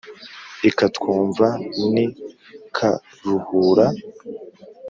Ikatwumva n'i Karuhura.